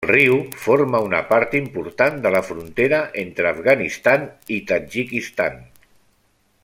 El riu forma una part important de la frontera entre Afganistan i Tadjikistan.